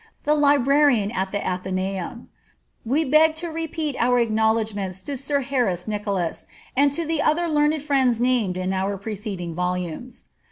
the librarian at the Atheneunu We beg to repeat our acknowledgments to sir Harris Nicolas, and to the other learned friends named in our preceding volumes.